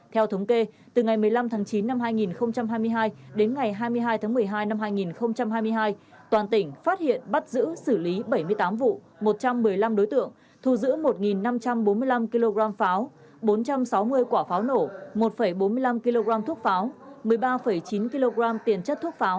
theo thống kê từ ngày một mươi năm tháng chín năm hai nghìn hai mươi hai đến ngày hai mươi hai tháng một mươi hai năm hai nghìn hai mươi hai toàn tỉnh phát hiện bắt giữ xử lý bảy mươi tám vụ một trăm một mươi năm đối tượng thu giữ một năm trăm bốn mươi năm kg pháo bốn trăm sáu mươi quả pháo nổ một bốn mươi năm kg thuốc pháo một mươi ba chín kg tiền chất thuốc pháo